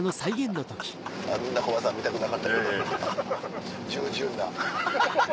あんなコバさん見たくなかった従順な。